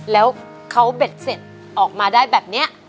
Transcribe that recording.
แล้วเขาเบ็ดเสร็จออกมาได้แบบนี้